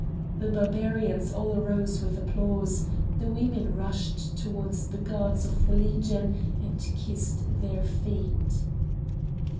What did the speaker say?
The Barbarians all rose with applause; the women rushed towards the guards of the Legion and kissed their feet.